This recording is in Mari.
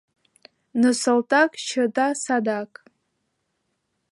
Но салтак чыта садак